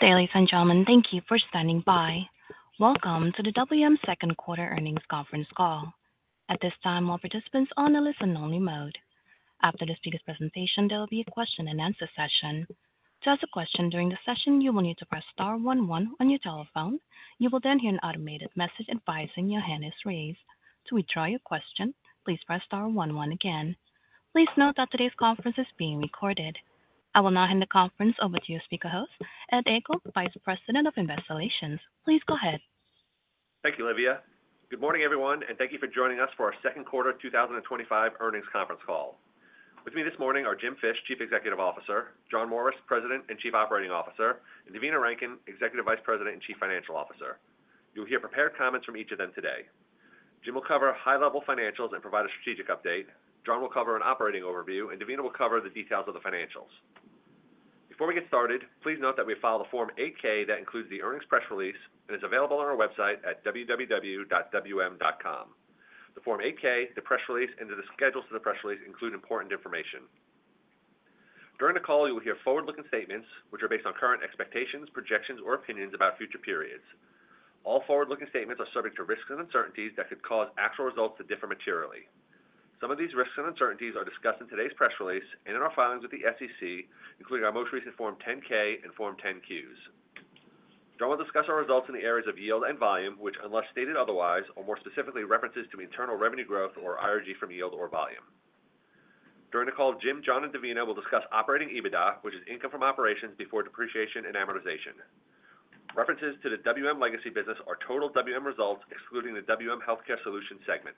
Ladies and Gentlemen, thank you for standing by. Welcome to the WM Second Quarter Earnings Conference Call. At this time, all participants are on a listen-only mode. After the speaker's presentation, there will be a question-and-answer session. To ask a question during the session, you will need to press star 11 on your telephone. You will then hear an automated message advising your hand is raised. To withdraw your question, please press star 11 again. Please note that today's conference is being recorded. I will now hand the conference over to your speaker host, Ed Egl, Vice President of Investor Relations. Please go ahead. Thank you, Livia. Good morning, everyone, and thank you for joining us for our Second Quarter 2025 Earnings Conference Call. With me this morning are Jim Fish, Chief Executive Officer; John Morris, President and Chief Operating Officer; and Devina Rankin, Executive Vice President and Chief Financial Officer. You'll hear prepared comments from each of them today. Jim will cover high-level financials and provide a strategic update. John will cover an operating overview, and Devina will cover the details of the financials. Before we get started, please note that we have filed a Form 8-K that includes the earnings press release and is available on our website at www.WM.com. The Form 8-K, the press release, and the schedules of the press release include important information. During the call, you will hear forward-looking statements which are based on current expectations, projections, or opinions about future periods. All forward-looking statements are subject to risks and uncertainties that could cause actual results to differ materially. Some of these risks and uncertainties are discussed in today's press release and in our filings with the SEC, including our most recent Form 10-K and Form 10-Qs. John will discuss our results in the areas of yield and volume, which, unless stated otherwise, or more specifically, references to internal revenue growth or IRG from yield or volume. During the call, Jim, John, and Devina will discuss operating EBITDA, which is income from operations before depreciation and amortization. References to the WM legacy business are total WM results, excluding the WM Healthcare Solutions segment.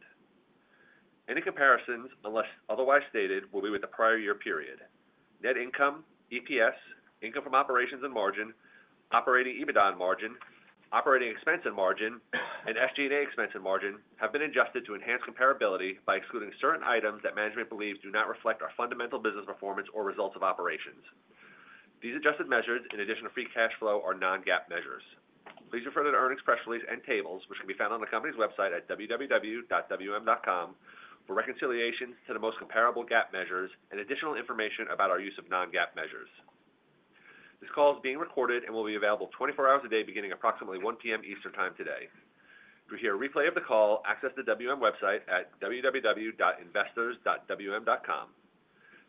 Any comparisons, unless otherwise stated, will be with the prior year period. Net income, EPS, income from operations and margin, operating EBITDA and margin, operating expense and margin, and SG&A expense and margin have been adjusted to enhance comparability by excluding certain items that management believes do not reflect our fundamental business performance or results of operations. These adjusted measures, in addition to free cash flow, are non-GAAP measures. Please refer to the earnings press release and tables, which can be found on the company's website at www.WM.com, for reconciliations to the most comparable GAAP measures and additional information about our use of non-GAAP measures. This call is being recorded and will be available 24 hours a day, beginning approximately 1:00 P.M. Eastern Time today. If you hear a replay of the call, access the WM website at www.investors.WM.com.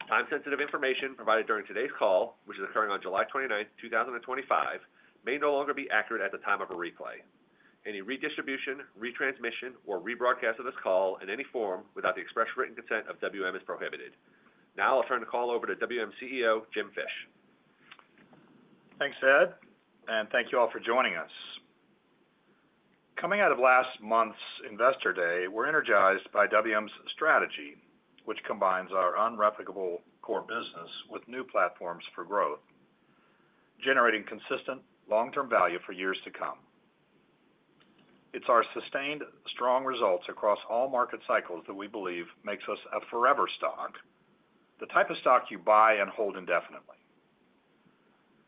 Time-sensitive information provided during today's call, which is occurring on July 29th, 2025, may no longer be accurate at the time of a replay. Any redistribution, retransmission, or rebroadcast of this call in any form without the express written consent of WM is prohibited. Now I'll turn the call over to WM CEO, Jim Fish. Thanks, Ed, and thank you all for joining us. Coming out of last month's Investor Day, we're energized by WM's strategy, which combines our unreplicable core business with new platforms for growth, generating consistent long-term value for years to come. It's our sustained, strong results across all market cycles that we believe makes us a forever stock, the type of stock you buy and hold indefinitely.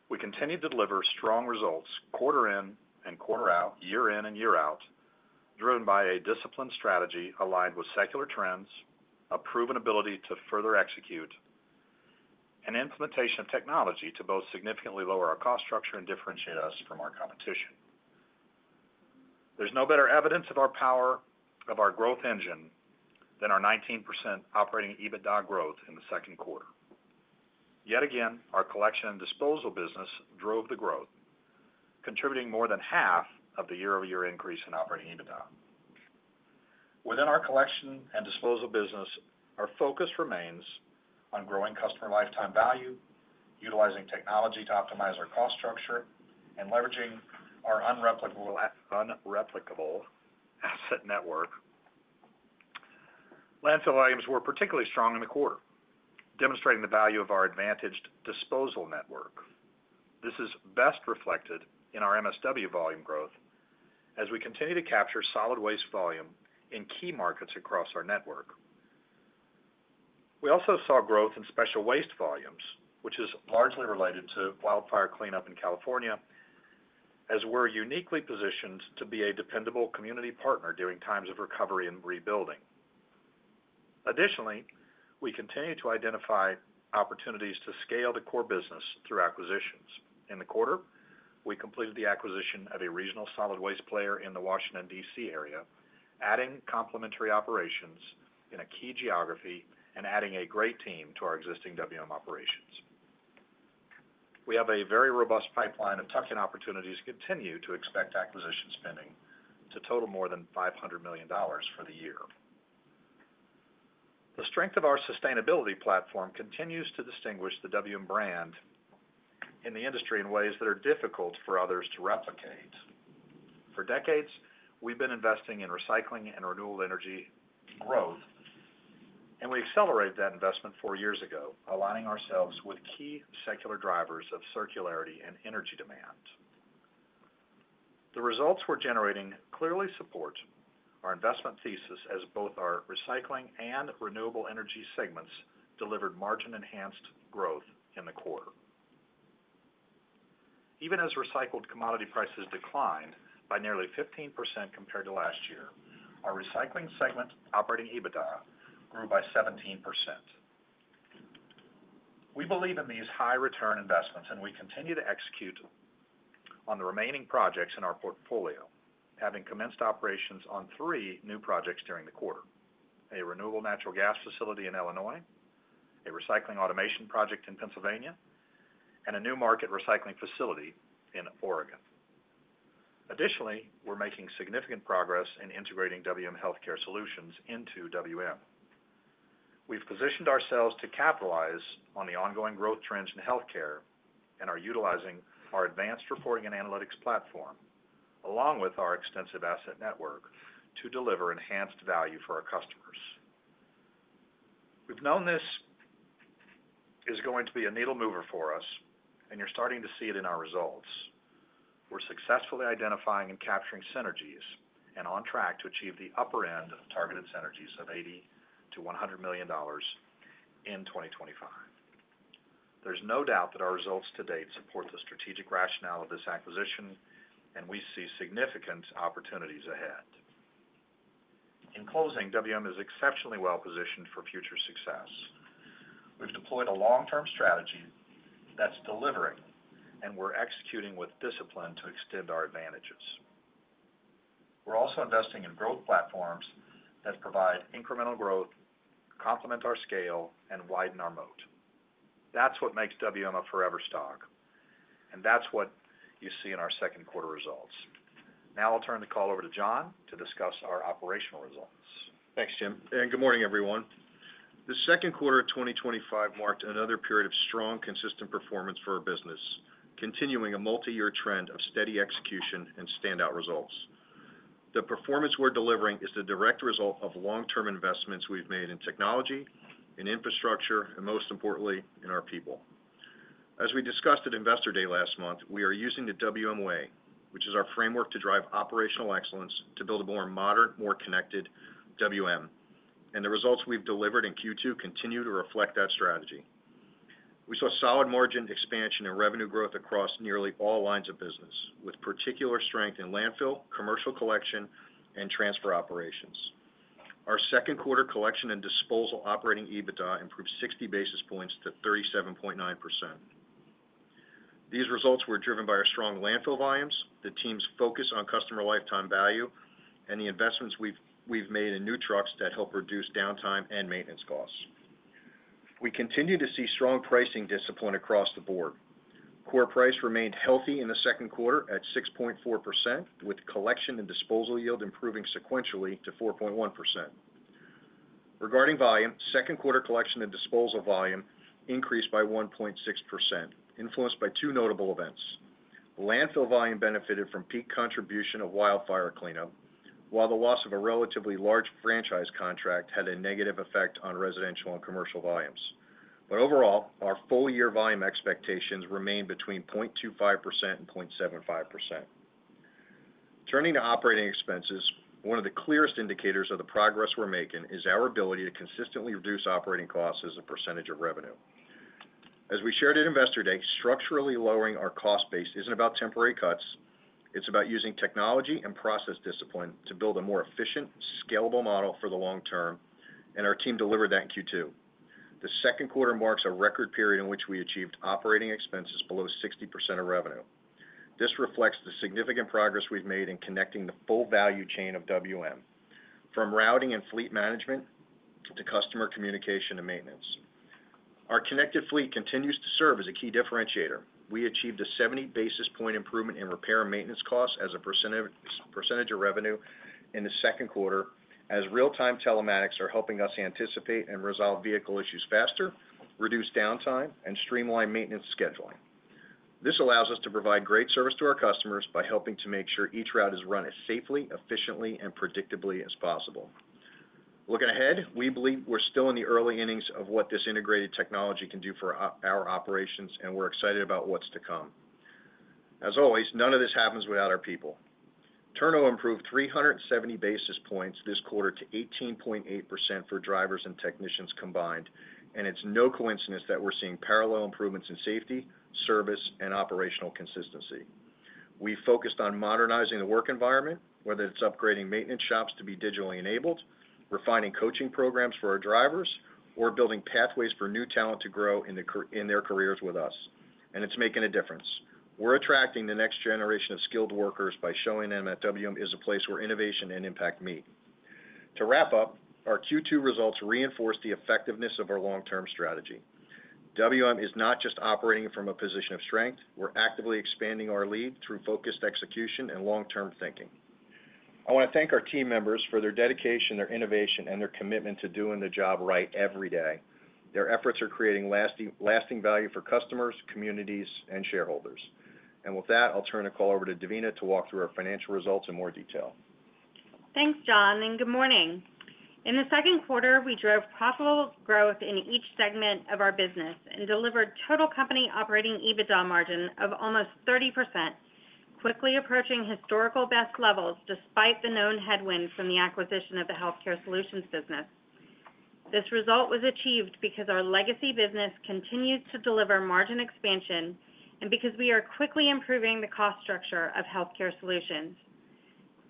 We continue to deliver strong results quarter in and quarter out, year in and year out, driven by a disciplined strategy aligned with secular trends, a proven ability to further execute, and implementation of technology to both significantly lower our cost structure and differentiate us from our competition. There's no better evidence of our power, of our growth engine, than our 19% operating EBITDA growth in the second quarter. Yet again, our collection and disposal business drove the growth, contributing more than half of the year-over-year increase in operating EBITDA. Within our collection and disposal business, our focus remains on growing customer lifetime value, utilizing technology to optimize our cost structure, and leveraging our unreplicable asset network. Landfill volumes were particularly strong in the quarter, demonstrating the value of our advantaged disposal network. This is best reflected in our MSW volume growth as we continue to capture solid waste volume in key markets across our network. We also saw growth in special waste volumes, which is largely related to wildfire cleanup in California, as we're uniquely positioned to be a dependable community partner during times of recovery and rebuilding. Additionally, we continue to identify opportunities to scale the core business through acquisitions. In the quarter, we completed the acquisition of a regional solid waste player in the Washington, D.C. area, adding complementary operations in a key geography and adding a great team to our existing WM operations. We have a very robust pipeline of tuck-in opportunities and continue to expect acquisition spending to total more than $500 million for the year. The strength of our sustainability platform continues to distinguish the WM brand in the industry in ways that are difficult for others to replicate. For decades, we've been investing in recycling and renewable energy growth, and we accelerated that investment four years ago, aligning ourselves with key secular drivers of circularity and energy demand. The results we're generating clearly support our investment thesis as both our recycling and renewable energy segments delivered margin-enhanced growth in the quarter. Even as recycled commodity prices declined by nearly 15% compared to last year, our recycling segment operating EBITDA grew by 17%. We believe in these high-return investments, and we continue to execute. On the remaining projects in our portfolio, having commenced operations on three new projects during the quarter: a renewable natural gas facility in Illinois, a recycling automation project in Pennsylvania, and a new market recycling facility in Oregon. Additionally, we're making significant progress in integrating WM Healthcare Solutions into WM. We've positioned ourselves to capitalize on the ongoing growth trends in healthcare and are utilizing our advanced reporting and analytics platform, along with our extensive asset network, to deliver enhanced value for our customers. We've known this is going to be a needle mover for us, and you're starting to see it in our results. We're successfully identifying and capturing synergies and on track to achieve the upper end of targeted synergies of $80 million-$100 million in 2025. There's no doubt that our results to date support the strategic rationale of this acquisition, and we see significant opportunities ahead. In closing, WM is exceptionally well positioned for future success. We've deployed a long-term strategy that's delivering, and we're executing with discipline to extend our advantages. We're also investing in growth platforms that provide incremental growth, complement our scale, and widen our moat. That's what makes WM a forever stock, and that's what you see in our second quarter results. Now I'll turn the call over to John to discuss our operational results. Thanks, Jim. Good morning, everyone. The second quarter of 2025 marked another period of strong, consistent performance for our business, continuing a multi-year trend of steady execution and standout results. The performance we're delivering is the direct result of long-term investments we've made in technology, in infrastructure, and most importantly, in our people. As we discussed at Investor Day last month, we are using the WM way, which is our framework to drive operational excellence to build a more modern, more connected WM, and the results we've delivered in Q2 continue to reflect that strategy. We saw solid margin expansion and revenue growth across nearly all lines of business, with particular strength in landfill, commercial collection, and transfer operations. Our second quarter collection and disposal operating EBITDA improved 60 basis points to 37.9%. These results were driven by our strong landfill volumes, the team's focus on customer lifetime value, and the investments we've made in new trucks that help reduce downtime and maintenance costs. We continue to see strong pricing discipline across the board. Core price remained healthy in the second quarter at 6.4%, with collection and disposal yield improving sequentially to 4.1%. Regarding volume, second quarter collection and disposal volume increased by 1.6%, influenced by two notable events. Landfill volume benefited from peak contribution of wildfire cleanup, while the loss of a relatively large franchise contract had a negative effect on residential and commercial volumes. Overall, our full-year volume expectations remained between 0.25% and 0.75%. Turning to operating expenses, one of the clearest indicators of the progress we're making is our ability to consistently reduce operating costs as a percentage of revenue. As we shared at Investor Day, structurally lowering our cost base isn't about temporary cuts. It's about using technology and process discipline to build a more efficient, scalable model for the long term, and our team delivered that in Q2. The second quarter marks a record period in which we achieved operating expenses below 60% of revenue. This reflects the significant progress we've made in connecting the full value chain of WM, from routing and fleet management to customer communication and maintenance. Our connected fleet continues to serve as a key differentiator. We achieved a 70 basis point improvement in repair and maintenance costs as a percentage of revenue in the second quarter, as real-time telematics are helping us anticipate and resolve vehicle issues faster, reduce downtime, and streamline maintenance scheduling. This allows us to provide great service to our customers by helping to make sure each route is run as safely, efficiently, and predictably as possible. Looking ahead, we believe we're still in the early innings of what this integrated technology can do for our operations, and we're excited about what's to come. As always, none of this happens without our people. Turnover improved 370 basis points this quarter to 18.8% for drivers and technicians combined, and it's no coincidence that we're seeing parallel improvements in safety, service, and operational consistency. We focused on modernizing the work environment, whether it's upgrading maintenance shops to be digitally enabled, refining coaching programs for our drivers, or building pathways for new talent to grow in their careers with us. It's making a difference. We're attracting the next generation of skilled workers by showing them that WM is a place where innovation and impact meet. To wrap up, our Q2 results reinforce the effectiveness of our long-term strategy. WM is not just operating from a position of strength; we're actively expanding our lead through focused execution and long-term thinking. I want to thank our team members for their dedication, their innovation, and their commitment to doing the job right every day. Their efforts are creating lasting value for customers, communities, and shareholders. With that, I'll turn the call over to Devina to walk through our financial results in more detail. Thanks, John, and good morning. In the second quarter, we drove profitable growth in each segment of our business and delivered total company operating EBITDA margin of almost 30%, quickly approaching historical best levels despite the known headwinds from the acquisition of the healthcare solutions business. This result was achieved because our legacy business continues to deliver margin expansion and because we are quickly improving the cost structure of healthcare solutions.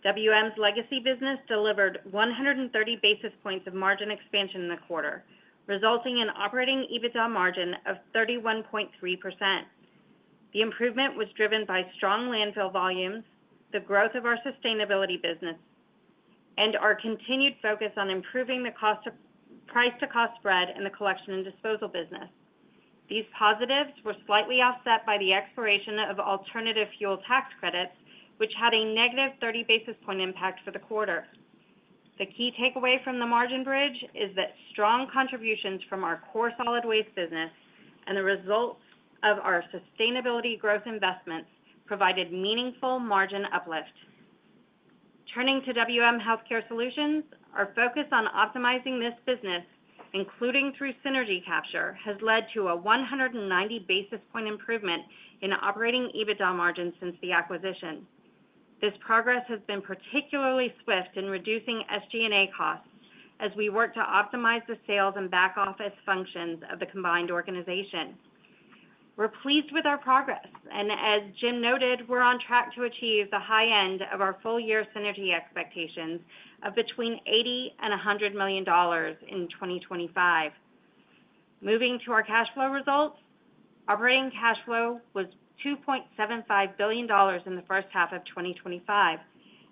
WM's legacy business delivered 130 basis points of margin expansion in the quarter, resulting in operating EBITDA margin of 31.3%. The improvement was driven by strong landfill volumes, the growth of our sustainability business, and our continued focus on improving the price-to-cost spread in the collection and disposal business. These positives were slightly offset by the expiration of alternative fuel tax credits, which had a negative 30 basis point impact for the quarter. The key takeaway from the margin bridge is that strong contributions from our core solid waste business and the results of our sustainability growth investments provided meaningful margin uplift. Turning to WM Healthcare Solutions, our focus on optimizing this business, including through synergy capture, has led to a 190 basis point improvement in operating EBITDA margin since the acquisition. This progress has been particularly swift in reducing SG&A costs as we work to optimize the sales and back office functions of the combined organization. We're pleased with our progress, and as Jim noted, we're on track to achieve the high end of our full-year synergy expectations of between $80 million and $100 million in 2025. Moving to our cash flow results, operating cash flow was $2.75 billion in the first half of 2025,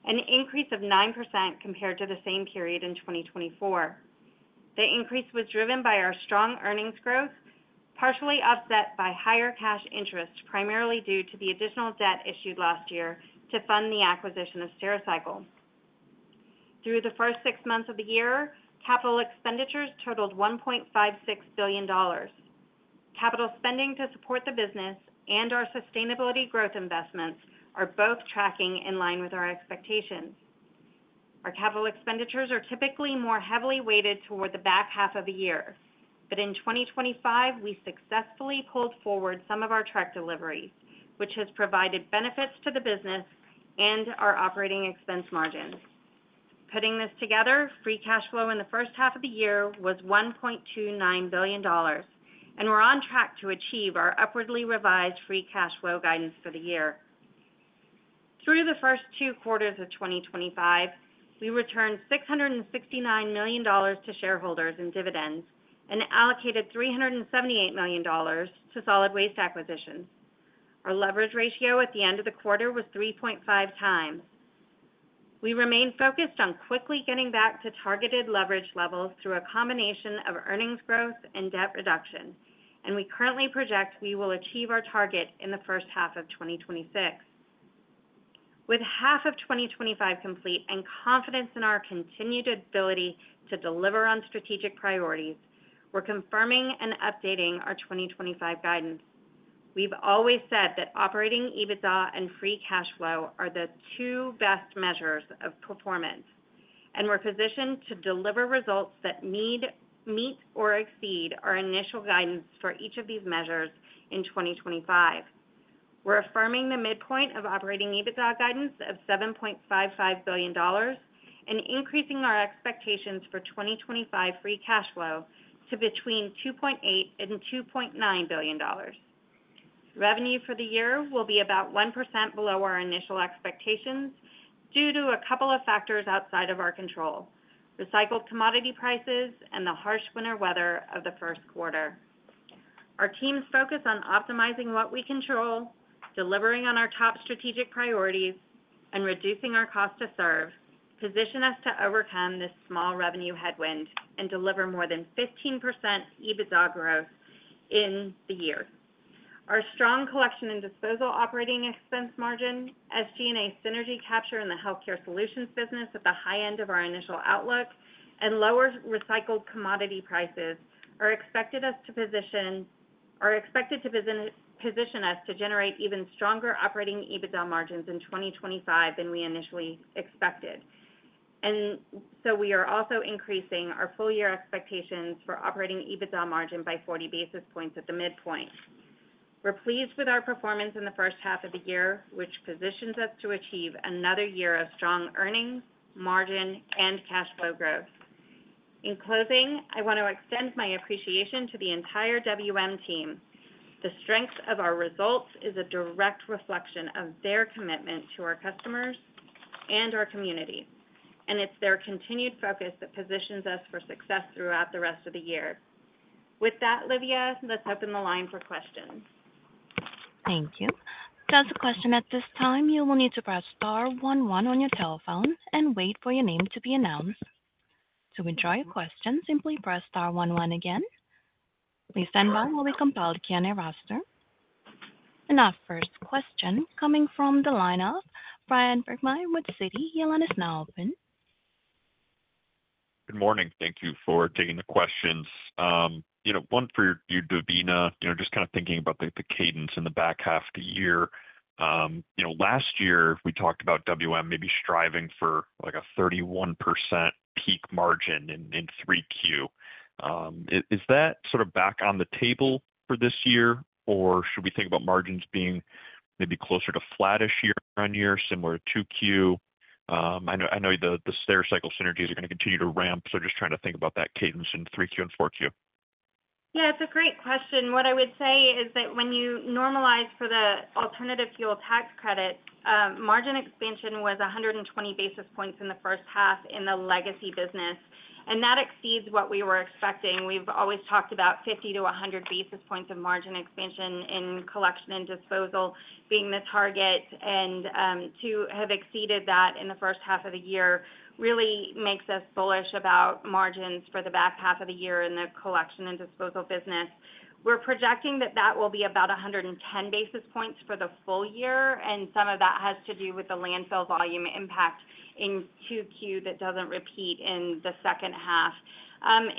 an increase of 9% compared to the same period in 2024. The increase was driven by our strong earnings growth, partially offset by higher cash interest, primarily due to the additional debt issued last year to fund the acquisition of Stericycle. Through the first six months of the year, capital expenditures totaled $1.56 billion. Capital spending to support the business and our sustainability growth investments are both tracking in line with our expectations. Our capital expenditures are typically more heavily weighted toward the back half of the year, but in 2025, we successfully pulled forward some of our track deliveries, which has provided benefits to the business and our operating expense margins. Putting this together, free cash flow in the first half of the year was $1.29 billion, and we're on track to achieve our upwardly revised free cash flow guidance for the year. Through the first two quarters of 2025, we returned $669 million to shareholders in dividends and allocated $378 million to solid waste acquisitions. Our leverage ratio at the end of the quarter was 3.5 times. We remain focused on quickly getting back to targeted leverage levels through a combination of earnings growth and debt reduction, and we currently project we will achieve our target in the first half of 2026. With half of 2025 complete and confidence in our continued ability to deliver on strategic priorities, we're confirming and updating our 2025 guidance. We've always said that operating EBITDA and free cash flow are the two best measures of performance, and we're positioned to deliver results that meet or exceed our initial guidance for each of these measures in 2025. We're affirming the midpoint of operating EBITDA guidance of $7.55 billion and increasing our expectations for 2025 free cash flow to between $2.8 billion and $2.9 billion. Revenue for the year will be about 1% below our initial expectations due to a couple of factors outside of our control: recycled commodity prices and the harsh winter weather of the first quarter. Our team's focus on optimizing what we control, delivering on our top strategic priorities, and reducing our cost to serve positioned us to overcome this small revenue headwind and deliver more than 15% EBITDA growth in the year. Our strong collection and disposal operating expense margin, SG&A synergy capture in the healthcare solutions business at the high end of our initial outlook, and lower recycled commodity prices are expected to position us to generate even stronger operating EBITDA margins in 2025 than we initially expected. We are also increasing our full-year expectations for operating EBITDA margin by 40 basis points at the midpoint. We're pleased with our performance in the first half of the year, which positions us to achieve another year of strong earnings, margin, and cash flow growth. In closing, I want to extend my appreciation to the entire WM team. The strength of our results is a direct reflection of their commitment to our customers and our community, and it's their continued focus that positions us for success throughout the rest of the year. With that, Livia, let's open the line for questions. Thank you. To answer questions at this time, you will need to press Star 11 on your telephone and wait for your name to be announced. To withdraw your question, simply press Star 11 again. The same line will be compiled here on your roster. Our first question coming from the lineup, Bryan Burgmeier with Citi, your line is now open. Good morning. Thank you for taking the questions. One for you, Devina, just kind of thinking about the cadence in the back half of the year. Last year, we talked about WM maybe striving for a 31% peak margin in 3Q. Is that sort of back on the table for this year, or should we think about margins being maybe closer to flattish year-on-year, similar to 2Q? I know the Stericycle synergies are going to continue to ramp, so just trying to think about that cadence in 3Q and 4Q. Yeah, it's a great question. What I would say is that when you normalize for the alternative fuel tax credits, margin expansion was 120 basis points in the first half in the legacy business, and that exceeds what we were expecting. We've always talked about 50-100 basis points of margin expansion in collection and disposal being the target, and to have exceeded that in the first half of the year really makes us bullish about margins for the back half of the year in the collection and disposal business. We're projecting that that will be about 110 basis points for the full year, and some of that has to do with the landfill volume impact in 2Q that doesn't repeat in the second half.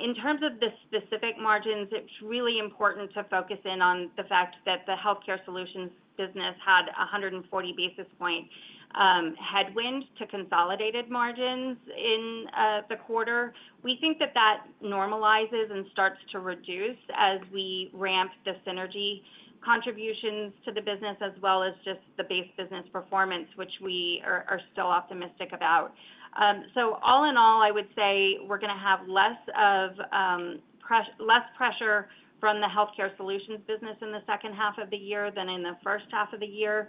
In terms of the specific margins, it's really important to focus in on the fact that the healthcare solutions business had a 140 basis point headwind to consolidated margins in the quarter. We think that that normalizes and starts to reduce as we ramp the synergy contributions to the business, as well as just the base business performance, which we are still optimistic about. All in all, I would say we're going to have less pressure from the healthcare solutions business in the second half of the year than in the first half of the year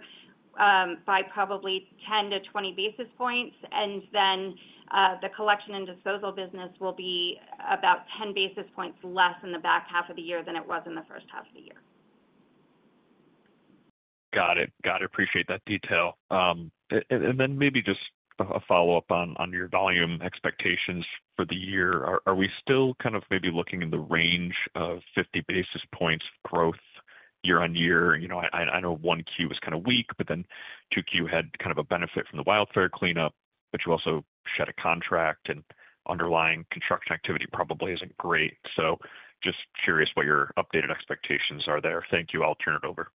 by probably 10-20 basis points, and then the collection and disposal business will be about 10 basis points less in the back half of the year than it was in the first half of the year. Got it. Got it. Appreciate that detail. Maybe just a follow-up on your volume expectations for the year. Are we still kind of maybe looking in the range of 50 basis points growth year-on-year? I know 1Q was kind of weak, but 2Q had kind of a benefit from the wildfire cleanup, but you also shed a contract, and underlying construction activity probably is not great. Just curious what your updated expectations are there. Thank you. I'll turn it over.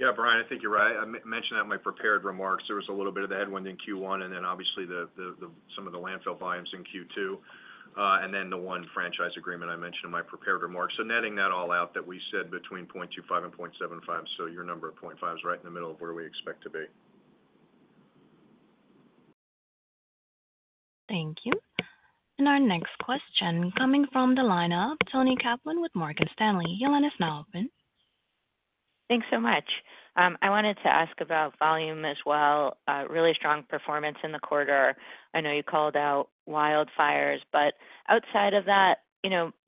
Yeah, Brian, I think you're right. I mentioned that in my prepared remarks. There was a little bit of the headwind in Q1, and then obviously some of the landfill volumes in Q2, and then the one franchise agreement I mentioned in my prepared remarks. Netting that all out, we said between 0.25 and 0.75, so your number of 0.5 is right in the middle of where we expect to be. Thank you. Our next question coming from the lineup, Toni Kaplan with Morgan Stanley, your line is now open. Thanks so much. I wanted to ask about volume as well. Really strong performance in the quarter. I know you called out wildfires, but outside of that.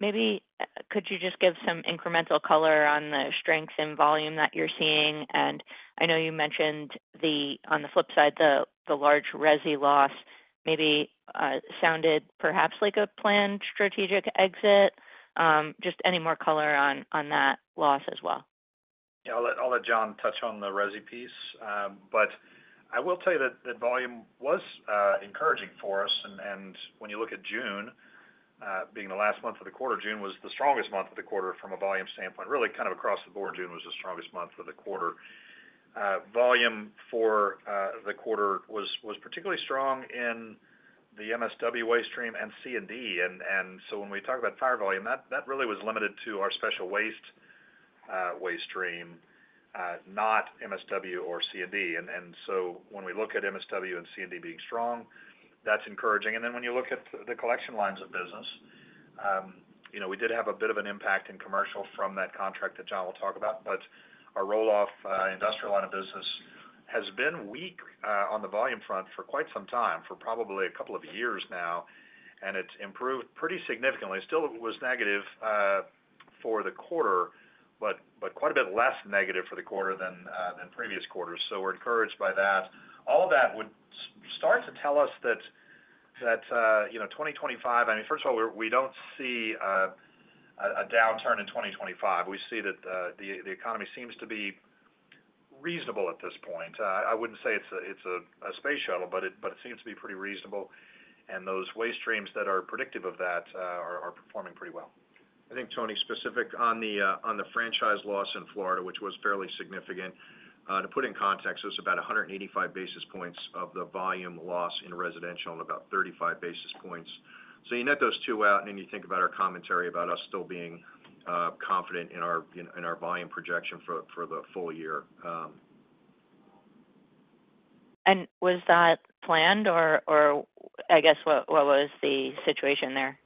Maybe could you just give some incremental color on the strengths in volume that you're seeing? I know you mentioned on the flip side, the large RESI loss maybe sounded perhaps like a planned strategic exit. Just any more color on that loss as well. Yeah, I'll let John touch on the RESI piece. I will tell you that the volume was encouraging for us. When you look at June, being the last month of the quarter, June was the strongest month of the quarter from a volume standpoint. Really kind of across the board, June was the strongest month of the quarter. Volume for the quarter was particularly strong in the MSW waste stream and C&D. When we talk about fire volume, that really was limited to our special waste waste stream, not MSW or C&D. When we look at MSW and C&D being strong, that's encouraging. When you look at the collection lines of business, we did have a bit of an impact in commercial from that contract that John will talk about. Our roll-off industrial line of business has been weak on the volume front for quite some time, for probably a couple of years now, and it's improved pretty significantly. Still, it was negative for the quarter, but quite a bit less negative for the quarter than previous quarters. We're encouraged by that. All of that would start to tell us that 2025, I mean, first of all, we don't see a downturn in 2025. We see that the economy seems to be reasonable at this point. I wouldn't say it's a space shuttle, but it seems to be pretty reasonable. Those waste streams that are predictive of that are performing pretty well. I think, Toni, specific on the franchise loss in Florida, which was fairly significant. To put in context, it was about 185 basis points of the volume loss in residential and about 35 basis points. You net those two out, and then you think about our commentary about us still being confident in our volume projection for the full year. Was that planned, or I guess what was the situation there?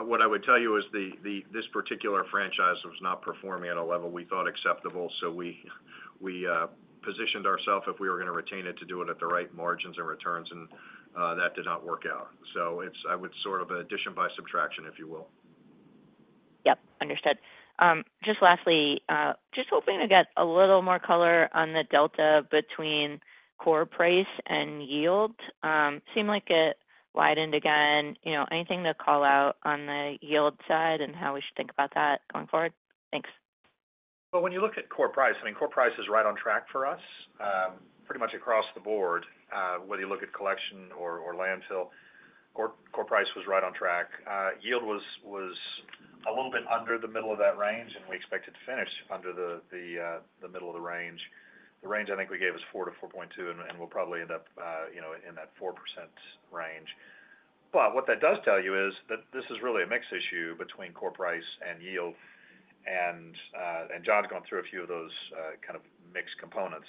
What I would tell you is this particular franchise was not performing at a level we thought acceptable. So we positioned ourselves if we were going to retain it to do it at the right margins and returns, and that did not work out. I would sort of addition by subtraction, if you will. Yep. Understood. Just lastly, just hoping to get a little more color on the delta between core price and yield. Seemed like it widened again. Anything to call out on the yield side and how we should think about that going forward? Thanks. When you look at core price, I mean, core price is right on track for us. Pretty much across the board, whether you look at collection or landfill. Core price was right on track. Yield was a little bit under the middle of that range, and we expected to finish under the middle of the range. The range I think we gave is 4-4.2%, and we'll probably end up in that 4% range. What that does tell you is that this is really a mixed issue between core price and yield. John's gone through a few of those kind of mixed components.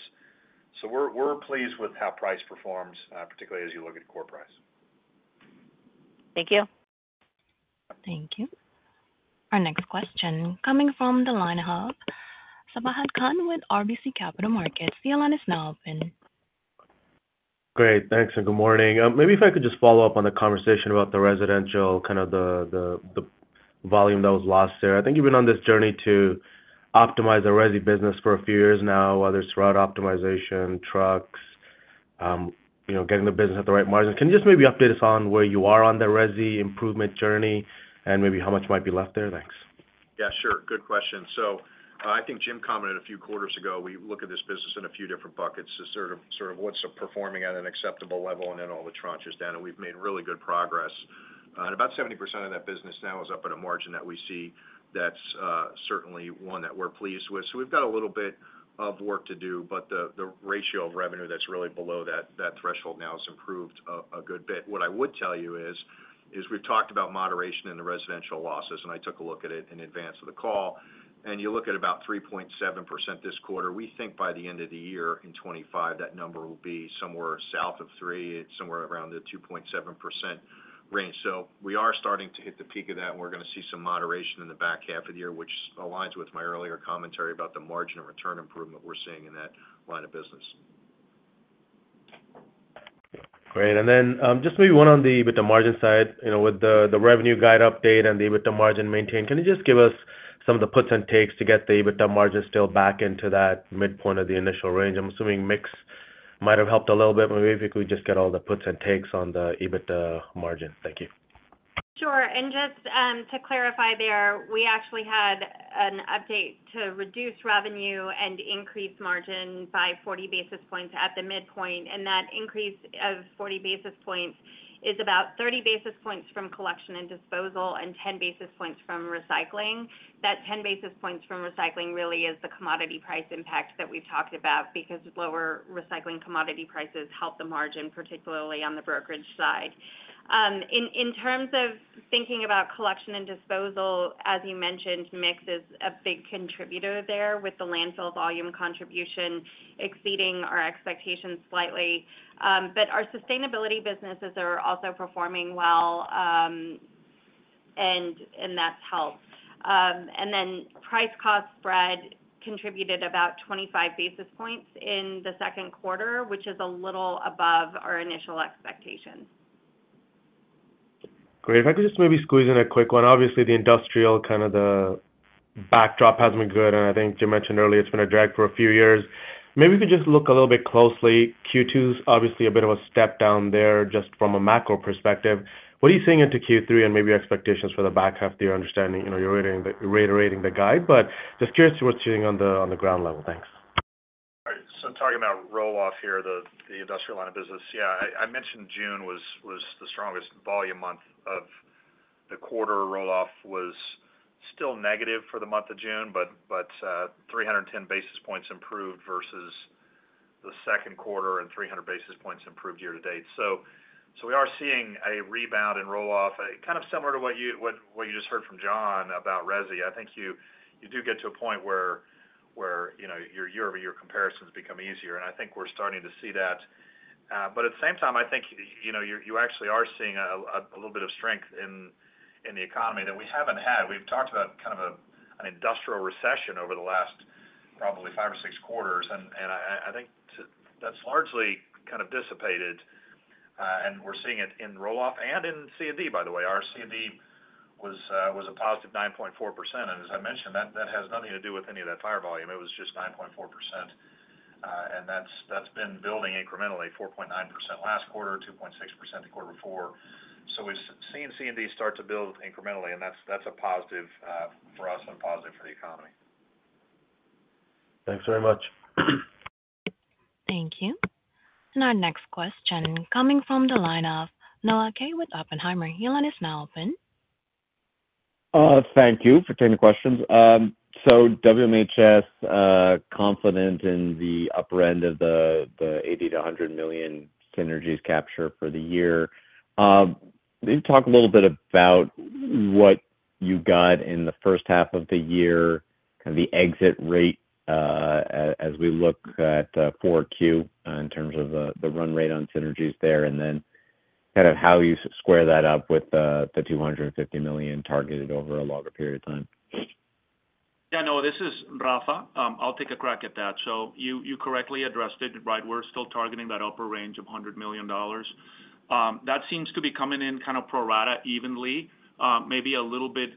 We're pleased with how price performs, particularly as you look at core price. Thank you. Thank you. Our next question coming from the lineup. Sabahat Khan with RBC Capital Markets, your line is now open. Great. Thanks. Good morning. Maybe if I could just follow up on the conversation about the residential, kind of the volume that was lost there. I think you've been on this journey to optimize the RESI business for a few years now, whether it's route optimization, trucks, getting the business at the right margin. Can you just maybe update us on where you are on the RESI improvement journey and maybe how much might be left there? Thanks. Yeah, sure. Good question. I think Jim commented a few quarters ago, we look at this business in a few different buckets to sort of what's performing at an acceptable level and then all the tranches down. We've made really good progress. About 70% of that business now is up at a margin that we see that's certainly one that we're pleased with. We've got a little bit of work to do, but the ratio of revenue that's really below that threshold now has improved a good bit. What I would tell you is we've talked about moderation in the residential losses, and I took a look at it in advance of the call. You look at about 3.7% this quarter, we think by the end of the year in 2025, that number will be somewhere south of 3, somewhere around the 2.7% range. We are starting to hit the peak of that, and we're going to see some moderation in the back half of the year, which aligns with my earlier commentary about the margin of return improvement we're seeing in that line of business. Great. And then just maybe one on the EBITDA margin side. With the revenue guide update and the EBITDA margin maintained, can you just give us some of the puts and takes to get the EBITDA margin still back into that midpoint of the initial range? I'm assuming mix might have helped a little bit. Maybe if we could just get all the puts and takes on the EBITDA margin. Thank you. Sure. Just to clarify there, we actually had an update to reduce revenue and increase margin by 40 basis points at the midpoint. That increase of 40 basis points is about 30 basis points from collection and disposal and 10 basis points from recycling. That 10 basis points from recycling really is the commodity price impact that we have talked about because lower recycling commodity prices help the margin, particularly on the brokerage side. In terms of thinking about collection and disposal, as you mentioned, mix is a big contributor there with the landfill volume contribution exceeding our expectations slightly. Our sustainability businesses are also performing well. That has helped. Price-cost spread contributed about 25 basis points in the second quarter, which is a little above our initial expectation. Great. If I could just maybe squeeze in a quick one. Obviously, the industrial kind of the backdrop has been good, and I think Jim mentioned earlier it's been a drag for a few years. Maybe we could just look a little bit closely. Q2 is obviously a bit of a step down there just from a macro perspective. What are you seeing into Q3 and maybe expectations for the back half to your understanding? You're reiterating the guide, but just curious to what you're seeing on the ground level. Thanks. All right. So talking about roll-off here, the industrial line of business, yeah, I mentioned June was the strongest volume month of the quarter. Roll-off was still negative for the month of June, but 310 basis points improved versus the second quarter and 300 basis points improved year to date. We are seeing a rebound in roll-off, kind of similar to what you just heard from John about RESI. I think you do get to a point where your year-over-year comparisons become easier, and I think we're starting to see that. At the same time, I think you actually are seeing a little bit of strength in the economy that we haven't had. We've talked about kind of an industrial recession over the last probably five or six quarters, and I think that's largely kind of dissipated. We're seeing it in roll-off and in C&D, by the way. Our C&D was a positive 9.4%. As I mentioned, that has nothing to do with any of that fire volume. It was just 9.4%. That's been building incrementally, 4.9% last quarter, 2.6% the quarter before. We've seen C&D start to build incrementally, and that's a positive for us and a positive for the economy. Thanks very much. Thank you. Our next question coming from the lineup, Noah Kaye with Oppenheimer, your line is now open. Thank you for taking the questions. WMHS. Confident in the upper end of the $80 million-$100 million synergies capture for the year. Can you talk a little bit about what you got in the first half of the year, kind of the exit rate as we look at 4Q in terms of the run rate on synergies there, and then kind of how you square that up with the $250 million targeted over a longer period of time? Yeah, no, this is Rafa. I'll take a crack at that. You correctly addressed it, right? We're still targeting that upper range of $100 million. That seems to be coming in kind of pro rata evenly, maybe a little bit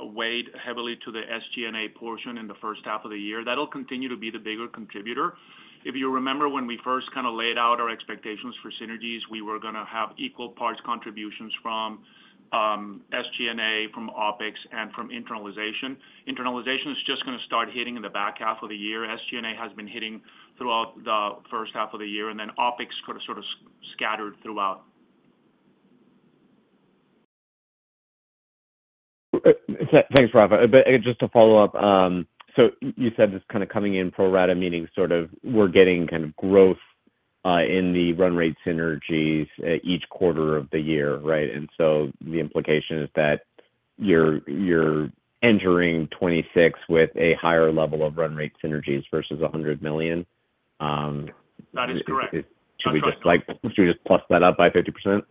weighed heavily to the SG&A portion in the first half of the year. That'll continue to be the bigger contributor. If you remember when we first kind of laid out our expectations for synergies, we were going to have equal parts contributions from SG&A, from operating expense, and from internalization. Internalization is just going to start hitting in the back half of the year. SG&A has been hitting throughout the first half of the year, and then operating expense could have sort of scattered throughout. Thanks, Rafa. Just to follow up, you said this kind of coming in pro rata meaning sort of we're getting kind of growth in the run rate synergies each quarter of the year, right? The implication is that you're entering 2026 with a higher level of run rate synergies versus $100 million. That is correct. Should we just plus that up by 50%?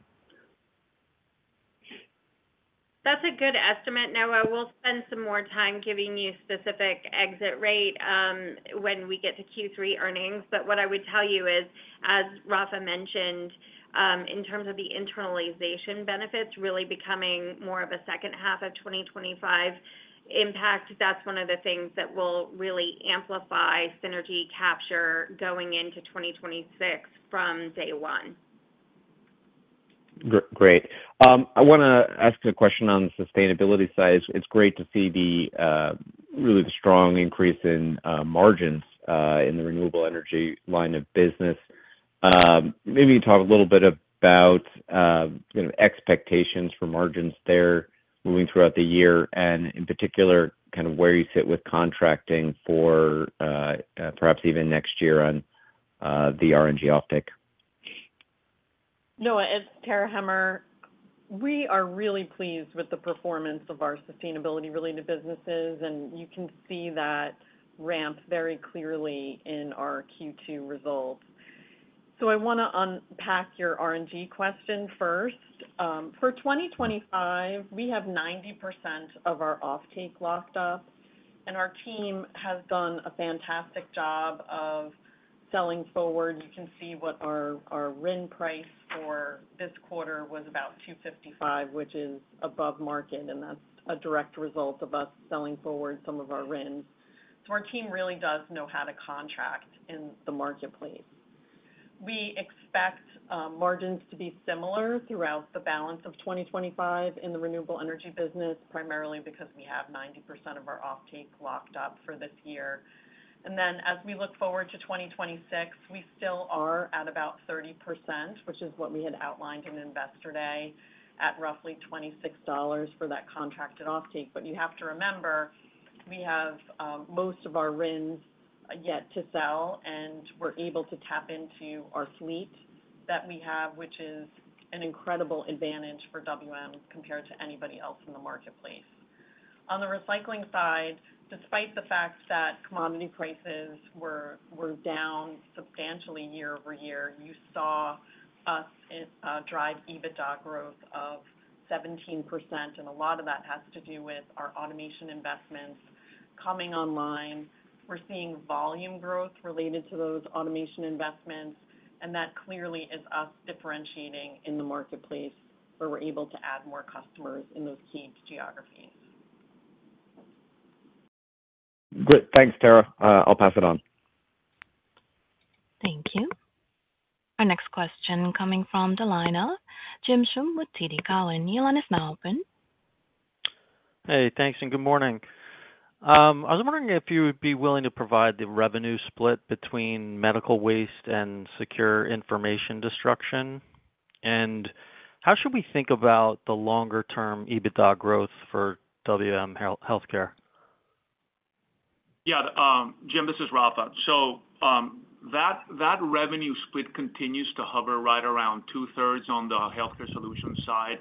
That's a good estimate. Noah, we'll spend some more time giving you specific exit rate when we get to Q3 earnings. What I would tell you is, as Rafa mentioned, in terms of the internalization benefits really becoming more of a second half of 2025 impact, that's one of the things that will really amplify synergy capture going into 2026 from day one. Great. I want to ask a question on the sustainability side. It's great to see really the strong increase in margins in the renewable energy line of business. Maybe you can talk a little bit about expectations for margins there moving throughout the year and, in particular, kind of where you sit with contracting for perhaps even next year on the RNG optic. Noah, as Tara Hemmer, we are really pleased with the performance of our sustainability-related businesses, and you can see that ramp very clearly in our Q2 results. I want to unpack your RNG question first. For 2025, we have 90% of our offtake locked up, and our team has done a fantastic job of selling forward. You can see what our RIN price for this quarter was, about $2.55, which is above market, and that's a direct result of us selling forward some of our RINs. Our team really does know how to contract in the marketplace. We expect margins to be similar throughout the balance of 2025 in the renewable energy business, primarily because we have 90% of our offtake locked up for this year. As we look forward to 2026, we still are at about 30%, which is what we had outlined in investor day at roughly $26 for that contracted offtake. You have to remember, we have most of our RINs yet to sell, and we're able to tap into our fleet that we have, which is an incredible advantage for WM compared to anybody else in the marketplace. On the recycling side, despite the fact that commodity prices were down substantially year over year, you saw us drive EBITDA growth of 17%, and a lot of that has to do with our automation investments coming online. We're seeing volume growth related to those automation investments, and that clearly is us differentiating in the marketplace where we're able to add more customers in those key geographies. Great. Thanks, Tara. I'll pass it on. Thank you. Our next question coming from the lineup, Jim Schumm, TD Cowen, your line is now open. Hey, thanks, and good morning. I was wondering if you would be willing to provide the revenue split between medical waste and secure information destruction. How should we think about the longer-term EBITDA growth for WM Healthcare? Yeah. Jim, this is Rafa. That revenue split continues to hover right around two-thirds on the healthcare solution side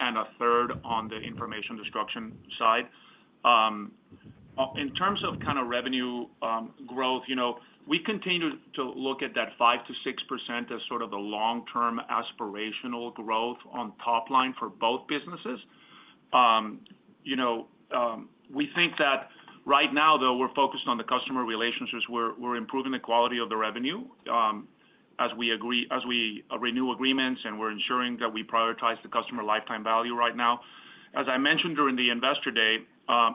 and a third on the information destruction side. In terms of kind of revenue growth, we continue to look at that 5-6% as sort of a long-term aspirational growth on top line for both businesses. We think that right now, though, we're focused on the customer relationships. We're improving the quality of the revenue. As we renew agreements and we're ensuring that we prioritize the customer lifetime value right now. As I mentioned during the investor day,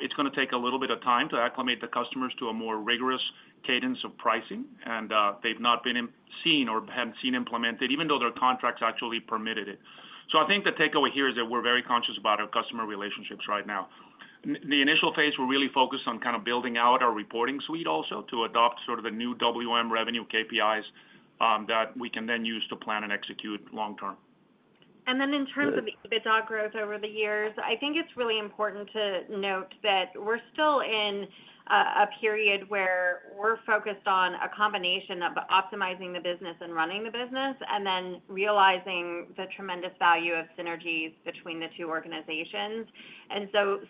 it's going to take a little bit of time to acclimate the customers to a more rigorous cadence of pricing, and they've not been seen or hadn't seen implemented, even though their contracts actually permitted it. I think the takeaway here is that we're very conscious about our customer relationships right now. The initial phase, we're really focused on kind of building out our reporting suite also to adopt sort of the new WM revenue KPIs that we can then use to plan and execute long-term. In terms of EBITDA growth over the years, I think it's really important to note that we're still in a period where we're focused on a combination of optimizing the business and running the business and then realizing the tremendous value of synergies between the two organizations.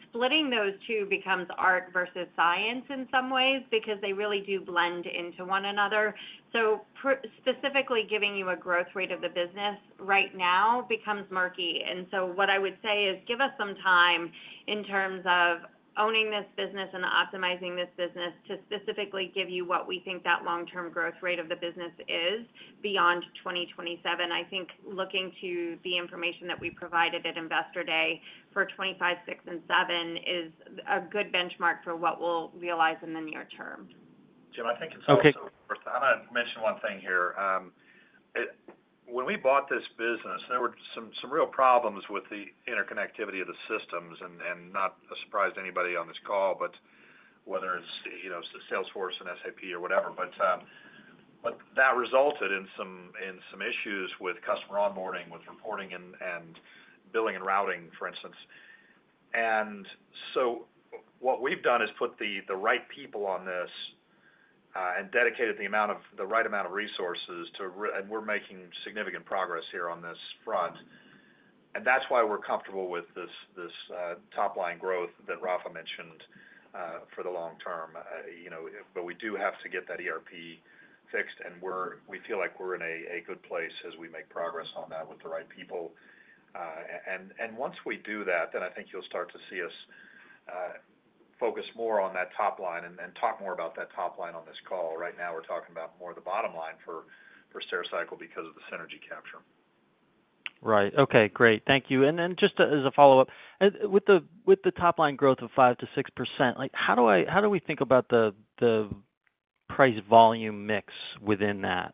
Splitting those two becomes art versus science in some ways because they really do blend into one another. Specifically giving you a growth rate of the business right now becomes murky. What I would say is give us some time in terms of owning this business and optimizing this business to specifically give you what we think that long-term growth rate of the business is beyond 2027. I think looking to the information that we provided at investor day for 2025, 2026, and 2027 is a good benchmark for what we'll realize in the near term. Jim, I think it's also worth—I want to mention one thing here. When we bought this business, there were some real problems with the interconnectivity of the systems, and not a surprise to anybody on this call, but whether it's Salesforce and SAP or whatever. That resulted in some issues with customer onboarding, with reporting and billing and routing, for instance. What we've done is put the right people on this and dedicated the right amount of resources to it, and we're making significant progress here on this front. That's why we're comfortable with this top-line growth that Rafa mentioned for the long term. We do have to get that ERP fixed, and we feel like we're in a good place as we make progress on that with the right people. Once we do that, then I think you'll start to see us focus more on that top line and talk more about that top line on this call. Right now, we're talking about more of the bottom line for Stericycle because of the synergy capture. Right. Okay. Great. Thank you. And then just as a follow-up, with the top-line growth of 5-6%, how do we think about the price-volume mix within that?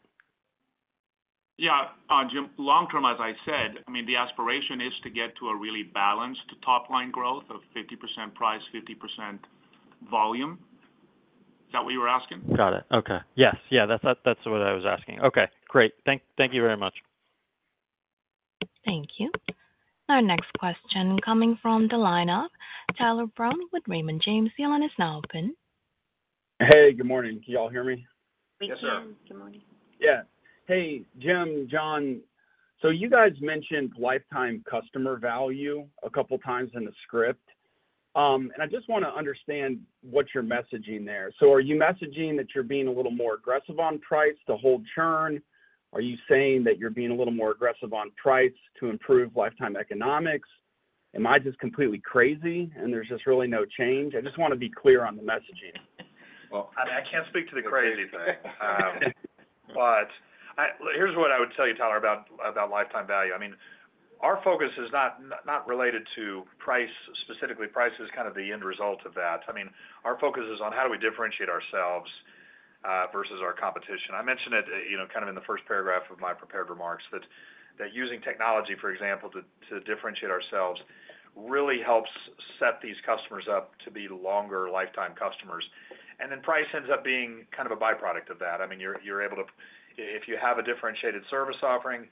Yeah. Jim, long-term, as I said, I mean, the aspiration is to get to a really balanced top-line growth of 50% price, 50% volume. Is that what you were asking? Got it. Okay. Yes. Yeah. That's what I was asking. Okay. Great. Thank you very much. Thank you. Our next question coming from the lineup, Tyler Brown with Raymond James, your line is now open. Hey, good morning. Can y'all hear me? We can. Yes, sir. Yeah. Hey, Jim, John. You guys mentioned lifetime customer value a couple of times in the script. I just want to understand what you're messaging there. Are you messaging that you're being a little more aggressive on price to hold churn? Are you saying that you're being a little more aggressive on price to improve lifetime economics? Am I just completely crazy, and there's just really no change? I just want to be clear on the messaging. I cannot speak to the crazy thing. But here is what I would tell you, Tyler, about lifetime value. I mean, our focus is not related to price. Specifically, price is kind of the end result of that. I mean, our focus is on how do we differentiate ourselves versus our competition. I mentioned it kind of in the first paragraph of my prepared remarks that using technology, for example, to differentiate ourselves really helps set these customers up to be longer lifetime customers. And then price ends up being kind of a byproduct of that. I mean, you are able to—if you have a differentiated service offering,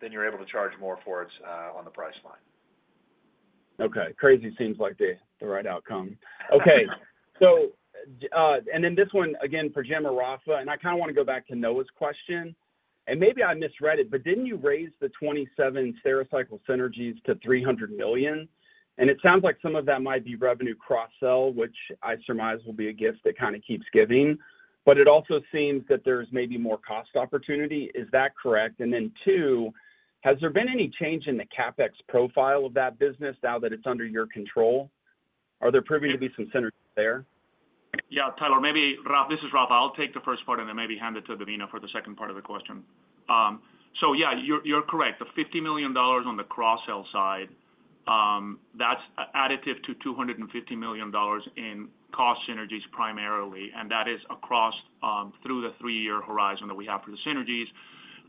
then you are able to charge more for it on the price line. Okay. Crazy seems like the right outcome. Okay. So. And then this one, again, for Jim or Rafa, and I kind of want to go back to Noah's question. And maybe I misread it, but did not you raise the 2027 Stericycle synergies to $300 million? And it sounds like some of that might be revenue cross-sell, which I surmise will be a gift that kind of keeps giving. But it also seems that there is maybe more cost opportunity. Is that correct? And then two, has there been any change in the CapEx profile of that business now that it is under your control? Are there proving to be some synergies there? Yeah. Tyler, maybe this is Rafa. I'll take the first part and then maybe hand it to Devina for the second part of the question. Yeah, you're correct. The $50 million on the cross-sell side, that's additive to $250 million in cost synergies primarily, and that is across the three-year horizon that we have for the synergies.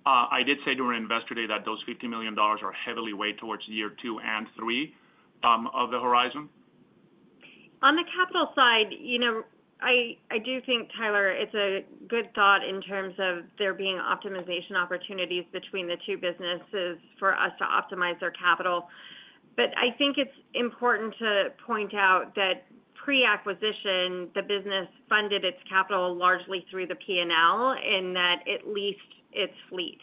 I did say during investor day that those $50 million are heavily weighed towards year two and three of the horizon. On the capital side. I do think, Tyler, it's a good thought in terms of there being optimization opportunities between the two businesses for us to optimize their capital. I think it's important to point out that pre-acquisition, the business funded its capital largely through the P&L and that it leased its fleet.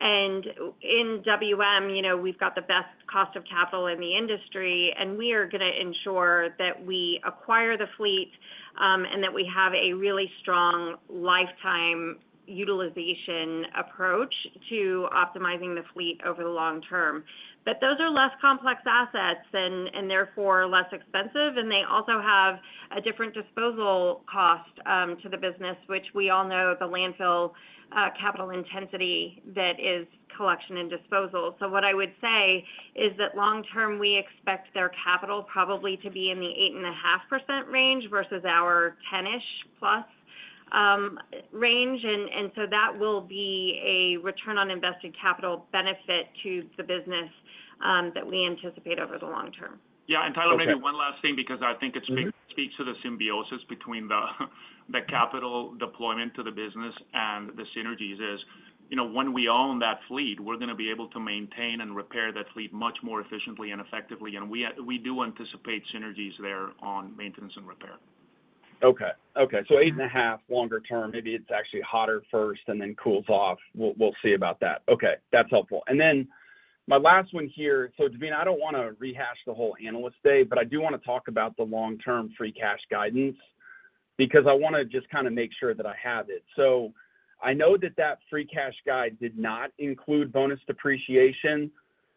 In WM, we've got the best cost of capital in the industry, and we are going to ensure that we acquire the fleet and that we have a really strong lifetime utilization approach to optimizing the fleet over the long term. Those are less complex assets and therefore less expensive, and they also have a different disposal cost to the business, which we all know the landfill capital intensity that is collection and disposal. What I would say is that long-term, we expect their capital probably to be in the 8.5% range versus our 10%-plus range. That will be a return on invested capital benefit to the business that we anticipate over the long term. Yeah. Tyler, maybe one last thing because I think it speaks to the symbiosis between the capital deployment to the business and the synergies is when we own that fleet, we're going to be able to maintain and repair that fleet much more efficiently and effectively. We do anticipate synergies there on maintenance and repair. Okay. Okay. So 8.5 longer term, maybe it's actually hotter first and then cools off. We'll see about that. Okay. That's helpful. Then my last one here. Davina, I don't want to rehash the whole analyst day, but I do want to talk about the long-term free cash guidance because I want to just kind of make sure that I have it. I know that that free cash guide did not include bonus depreciation,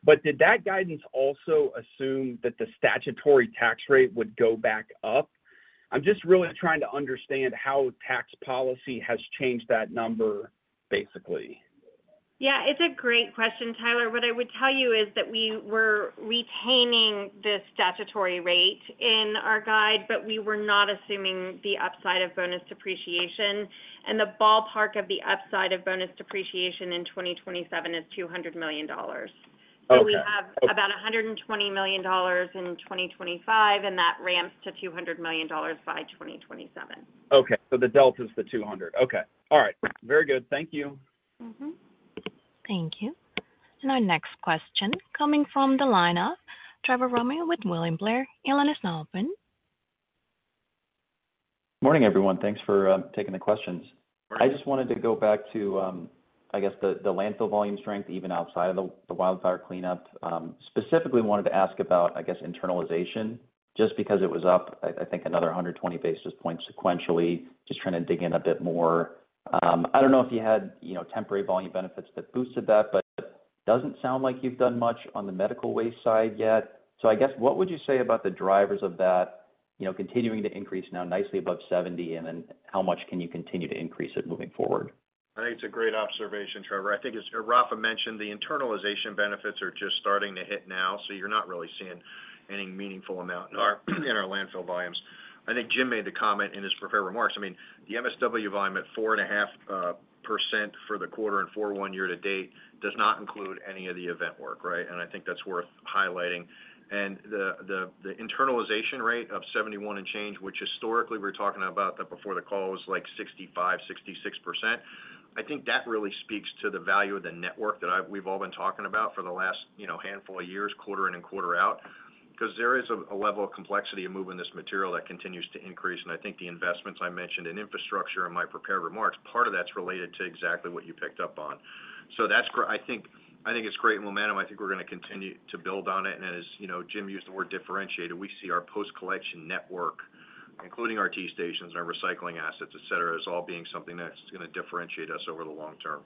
but did that guidance also assume that the statutory tax rate would go back up? I'm just really trying to understand how tax policy has changed that number, basically. Yeah. It's a great question, Tyler. What I would tell you is that we were retaining the statutory rate in our guide, but we were not assuming the upside of bonus depreciation. The ballpark of the upside of bonus depreciation in 2027 is $200 million. We have about $120 million in 2025, and that ramps to $200 million by 2027. Okay. So the delta is the 200. Okay. All right. Very good. Thank you. Thank you. Our next question coming from the lineup, Trevor Romeo with William Blair, your line is now open. Morning, everyone. Thanks for taking the questions. I just wanted to go back to, I guess, the landfill volume strength, even outside of the wildfire cleanup. Specifically, I wanted to ask about, I guess, internalization just because it was up, I think, another 120 basis points sequentially, just trying to dig in a bit more. I do not know if you had temporary volume benefits that boosted that, but it does not sound like you have done much on the medical waste side yet. I guess, what would you say about the drivers of that continuing to increase now nicely above 70, and then how much can you continue to increase it moving forward? I think it's a great observation, Trevor. I think as Rafa mentioned, the internalization benefits are just starting to hit now, so you're not really seeing any meaningful amount in our landfill volumes. I think Jim made the comment in his prepared remarks. I mean, the MSW volume at 4.5% for the quarter and 4.1% year to date does not include any of the event work, right? I think that's worth highlighting. The internalization rate of 71% and change, which historically we were talking about that before the call was like 65%-66%, I think that really speaks to the value of the network that we've all been talking about for the last handful of years, quarter in and quarter out, because there is a level of complexity in moving this material that continues to increase. I think the investments I mentioned in infrastructure in my prepared remarks, part of that's related to exactly what you picked up on. I think it's great momentum. I think we're going to continue to build on it. As Jim used the word differentiated, we see our post-collection network, including our T-stations and our recycling assets, etc., as all being something that's going to differentiate us over the long term.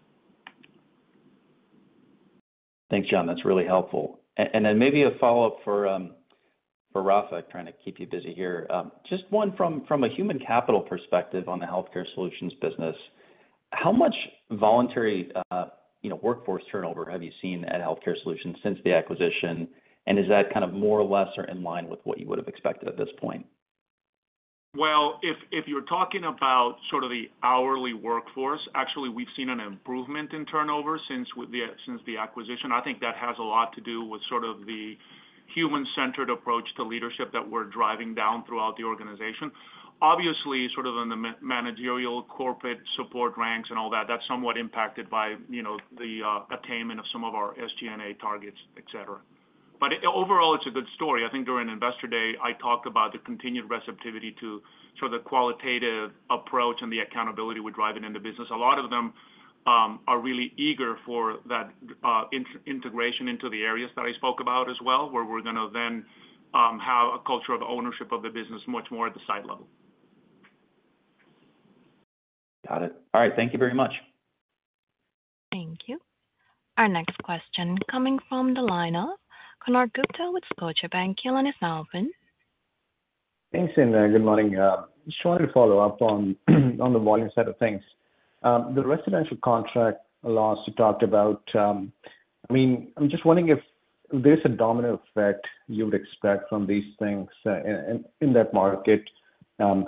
Thanks, John. That's really helpful. Maybe a follow-up for Rafa, trying to keep you busy here. Just one from a human capital perspective on the healthcare solutions business. How much voluntary workforce turnover have you seen at healthcare solutions since the acquisition? Is that kind of more or less or in line with what you would have expected at this point? If you're talking about sort of the hourly workforce, actually, we've seen an improvement in turnover since the acquisition. I think that has a lot to do with sort of the human-centered approach to leadership that we're driving down throughout the organization. Obviously, sort of in the managerial corporate support ranks and all that, that's somewhat impacted by the attainment of some of our SG&A targets, etc. Overall, it's a good story. I think during investor day, I talked about the continued receptivity to sort of the qualitative approach and the accountability we're driving in the business. A lot of them are really eager for that. Integration into the areas that I spoke about as well, where we're going to then have a culture of ownership of the business much more at the site level. Got it. All right. Thank you very much. Thank you. Our next question coming from the lineup, Konark Gupta with Scotiabank, your line is now open. Thanks, and good morning. Just wanted to follow up on the volume side of things. The residential contract loss you talked about. I mean, I'm just wondering if there's a domino effect you would expect from these things in that market.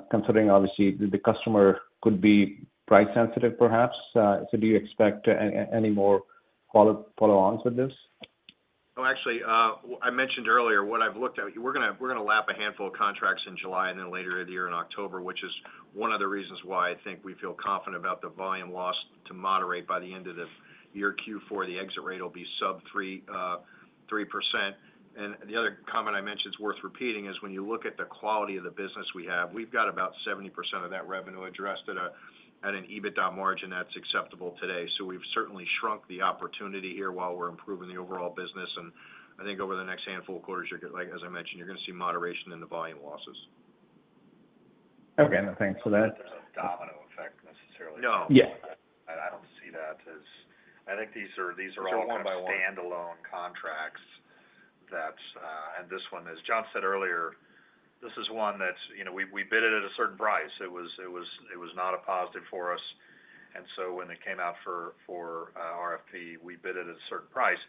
Considering, obviously, the customer could be price-sensitive, perhaps. Do you expect any more follow-ons with this? Oh, actually, I mentioned earlier what I've looked at. We're going to lap a handful of contracts in July and then later in the year in October, which is one of the reasons why I think we feel confident about the volume loss to moderate by the end of the year Q4. The exit rate will be sub-3%. The other comment I mentioned is worth repeating is when you look at the quality of the business we have, we've got about 70% of that revenue addressed at an EBITDA margin that's acceptable today. We've certainly shrunk the opportunity here while we're improving the overall business. I think over the next handful of quarters, as I mentioned, you're going to see moderation in the volume losses. Okay. Thanks for that. There's a domino effect necessarily. No. Yeah. I don't see that as, I think these are all kind of standalone contracts. This one, as John said earlier, is one that we bid at a certain price. It was not a positive for us. When it came out for RFP, we bid at a certain price.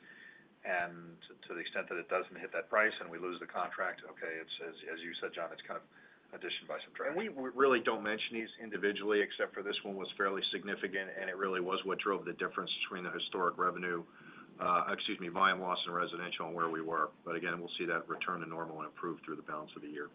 To the extent that it does not hit that price and we lose the contract, okay, as you said, John, it is kind of additioned by some trash. We really do not mention these individually, except for this one was fairly significant, and it really was what drove the difference between the historic revenue, excuse me, volume loss in residential and where we were. Again, we will see that return to normal and improve through the balance of the year.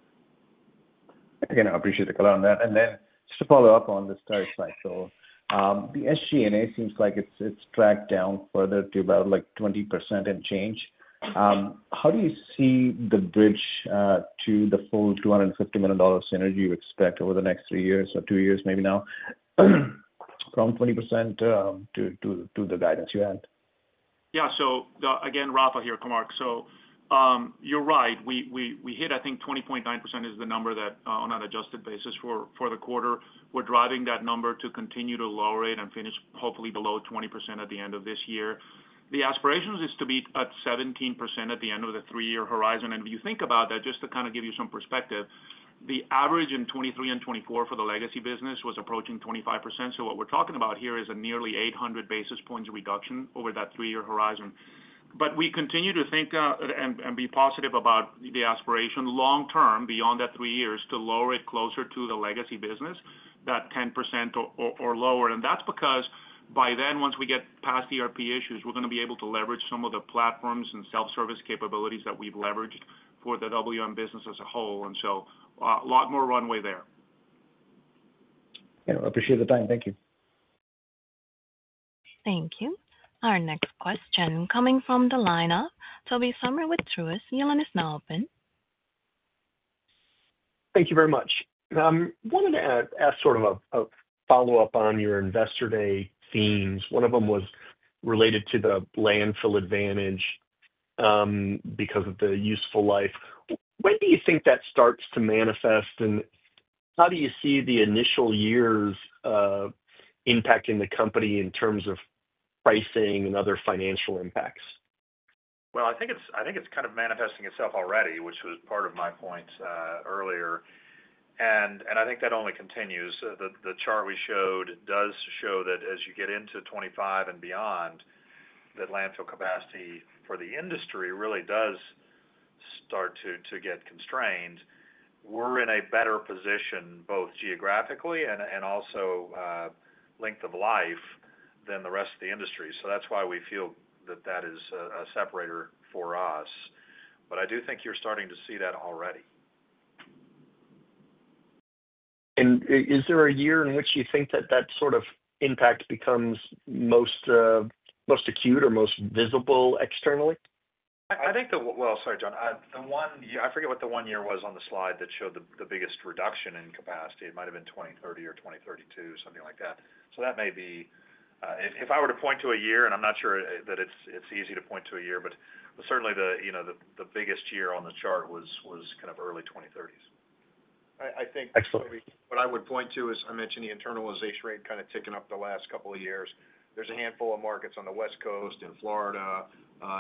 Again, I appreciate the call on that. And then just to follow up on the story, so the SG&A seems like it's tracked down further to about 20% and change. How do you see the bridge to the full $250 million synergy you expect over the next three years or two years, maybe now. From 20% to the guidance you had? Yeah. So again, Rafa here, Konark. You're right. We hit, I think, 20.9% is the number that on an adjusted basis for the quarter. We're driving that number to continue to lower it and finish, hopefully, below 20% at the end of this year. The aspiration is to be at 17% at the end of the three-year horizon. If you think about that, just to kind of give you some perspective, the average in 2023 and 2024 for the legacy business was approaching 25%. What we're talking about here is a nearly 800 basis points reduction over that three-year horizon. We continue to think and be positive about the aspiration long term, beyond that three years, to lower it closer to the legacy business, that 10% or lower. That's because by then, once we get past ERP issues, we're going to be able to leverage some of the platforms and self-service capabilities that we've leveraged for the WM business as a whole. A lot more runway there. Appreciate the time. Thank you. Thank you. Our next question coming from the lineup, Tobey Sommer with Truist, your line is now open. Thank you very much. I wanted to ask sort of a follow-up on your investor day themes. One of them was related to the landfill advantage. Because of the useful life, when do you think that starts to manifest? How do you see the initial years impacting the company in terms of pricing and other financial impacts? I think it's kind of manifesting itself already, which was part of my point earlier. I think that only continues. The chart we showed does show that as you get into 2025 and beyond, that landfill capacity for the industry really does start to get constrained. We're in a better position both geographically and also length of life than the rest of the industry. That's why we feel that that is a separator for us. I do think you're starting to see that already. Is there a year in which you think that that sort of impact becomes most acute or most visible externally? I think the—sorry, John. I forget what the one year was on the slide that showed the biggest reduction in capacity. It might have been 2030 or 2032, something like that. That may be—if I were to point to a year, and I'm not sure that it's easy to point to a year, but certainly the biggest year on the chart was kind of early 2030s. I think what I would point to is I mentioned the internalization rate kind of ticking up the last couple of years. There's a handful of markets on the West Coast, in Florida,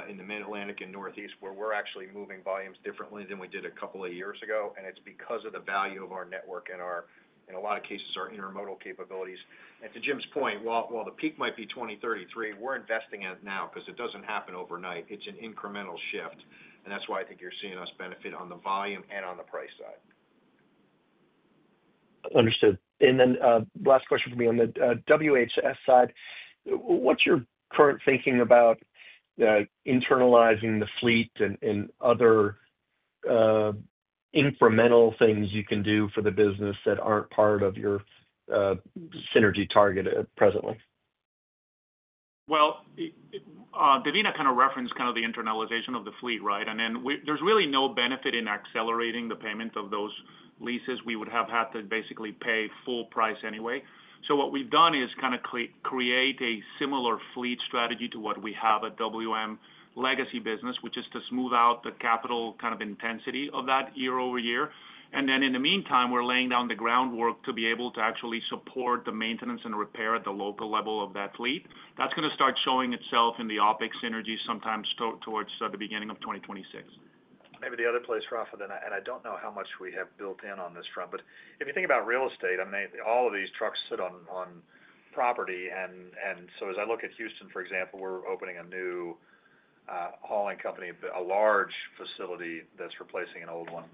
in the Mid-Atlantic, and Northeast where we're actually moving volumes differently than we did a couple of years ago. It's because of the value of our network and, in a lot of cases, our intermodal capabilities. To Jim's point, while the peak might be 2033, we're investing in it now because it doesn't happen overnight. It's an incremental shift. That's why I think you're seeing us benefit on the volume and on the price side. Understood. Last question for me on the WHS side. What's your current thinking about internalizing the fleet and other incremental things you can do for the business that aren't part of your synergy target presently? Devina kind of referenced kind of the internalization of the fleet, right? And then there's really no benefit in accelerating the payment of those leases. We would have had to basically pay full price anyway. So what we've done is kind of create a similar fleet strategy to what we have at WM Legacy Business, which is to smooth out the capital kind of intensity of that year over year. And then in the meantime, we're laying down the groundwork to be able to actually support the maintenance and repair at the local level of that fleet. That's going to start showing itself in the OpEx synergy sometimes towards the beginning of 2026. Maybe the other place, Rafa, then—I do not know how much we have built in on this front—but if you think about real estate, I mean, all of these trucks sit on property. I look at Houston, for example, we are opening a new hauling company, a large facility that is replacing an old one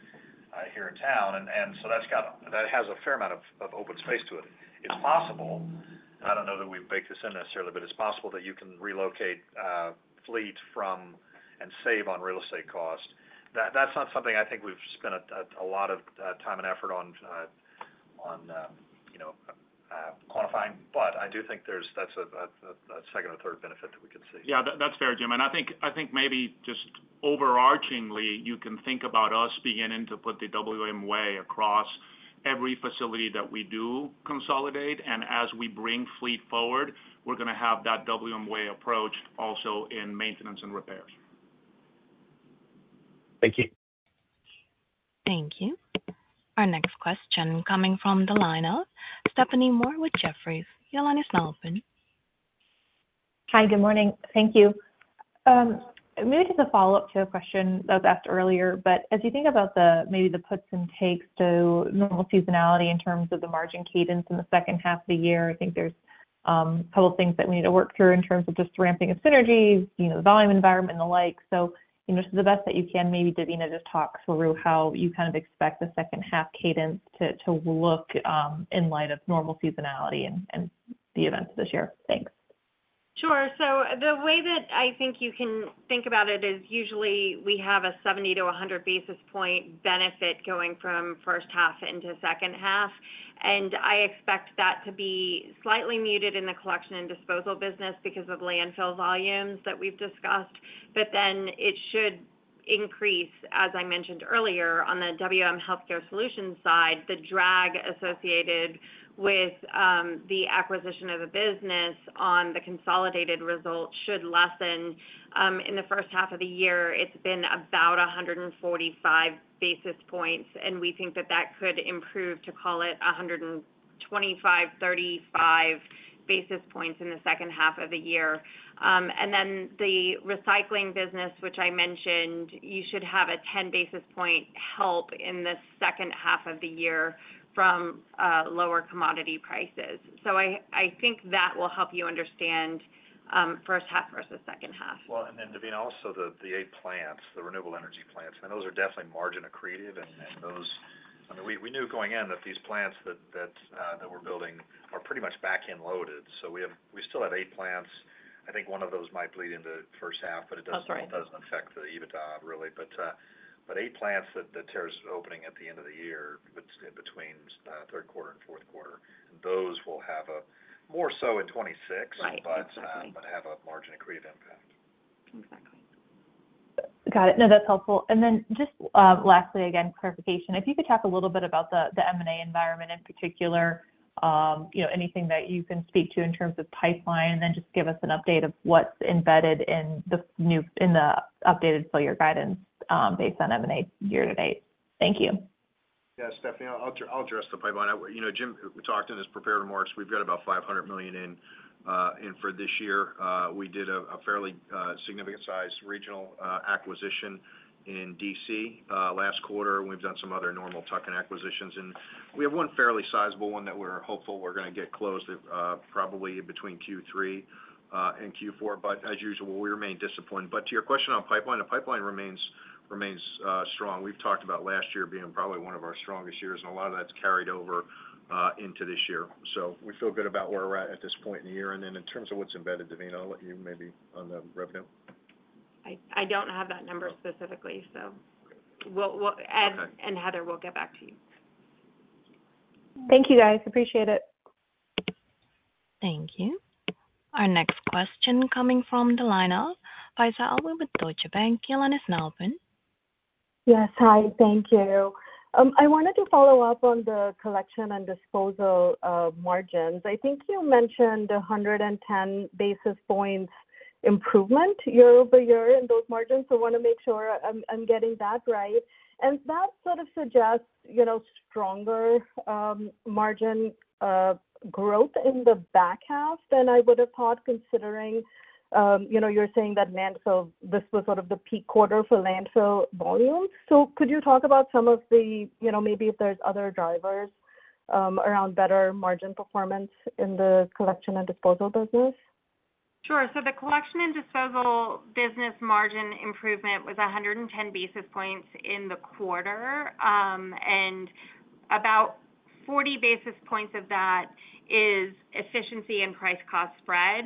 here in town. That has a fair amount of open space to it. It is possible—I do not know that we have baked this in necessarily—but it is possible that you can relocate fleet from and save on real estate cost. That is not something I think we have spent a lot of time and effort on quantifying. I do think that is a second or third benefit that we could see. Yeah, that's fair, Jim. I think maybe just overarchingly, you can think about us beginning to put the WM way across every facility that we do consolidate. As we bring fleet forward, we're going to have that WM way approach also in maintenance and repairs. Thank you. Thank you. Our next question coming from the lineup, Stephanie Moore with Jefferies, your line is now open. Hi, good morning. Thank you. Maybe just a follow-up to a question that was asked earlier, but as you think about maybe the puts and takes to normal seasonality in terms of the margin cadence in the second half of the year, I think there's a couple of things that we need to work through in terms of just ramping up synergies, the volume environment, and the like. To the best that you can, maybe Devina just talk through how you kind of expect the second half cadence to look in light of normal seasonality and the events of this year. Thanks. Sure. The way that I think you can think about it is usually we have a 70-100 basis point benefit going from first half into second half. I expect that to be slightly muted in the collection and disposal business because of landfill volumes that we have discussed. It should increase, as I mentioned earlier, on the WM Healthcare Solutions side. The drag associated with the acquisition of the business on the consolidated result should lessen. In the first half of the year, it has been about 145 basis points. We think that could improve to, call it, 125-135 basis points in the second half of the year. The recycling business, which I mentioned, you should have a 10 basis point help in the second half of the year from lower commodity prices. I think that will help you understand first half versus second half. Devina, also the eight plants, the renewable energy plants, I mean, those are definitely margin accretive. I mean, we knew going in that these plants that we're building are pretty much backhand loaded. We still have eight plants. I think one of those might bleed into the first half, but it does not affect the EBITDA really. Eight plants that Terra is opening at the end of the year between third quarter and fourth quarter. Those will have a more so in 2026, but have a margin accretive impact. Exactly. Got it. No, that's helpful. Lastly, again, clarification. If you could talk a little bit about the M&A environment in particular. Anything that you can speak to in terms of pipeline, and then just give us an update of what's embedded in the updated full year guidance based on M&A year to date. Thank you. Yeah, Stephanie, I'll address the pipeline. Jim talked and has prepared more. We've got about $500 million in for this year. We did a fairly significant-sized regional acquisition in Washington, DC last quarter. And we've done some other normal tuck-in acquisitions. We have one fairly sizable one that we're hopeful we're going to get closed probably between Q3 and Q4. As usual, we remain disciplined. To your question on pipeline, the pipeline remains strong. We've talked about last year being probably one of our strongest years, and a lot of that's carried over into this year. We feel good about where we're at at this point in the year. In terms of what's embedded, Devina, I'll let you maybe on the revenue. I don't have that number specifically, so. Heather, we'll get back to you. Thank you, guys. Appreciate it. Thank you. Our next question coming from the lineup, Faiza Alwy with Deutsche Bank, your line is now open. Yes, hi. Thank you. I wanted to follow up on the collection and disposal margins. I think you mentioned 110 basis points improvement year over year in those margins. I want to make sure I'm getting that right. That sort of suggests stronger margin growth in the back half than I would have thought considering you're saying that this was sort of the peak quarter for landfill volume. Could you talk about some of the, maybe if there's other drivers around better margin performance in the collection and disposal business? Sure. The collection and disposal business margin improvement was 110 basis points in the quarter. About 40 basis points of that is efficiency and price-cost spread.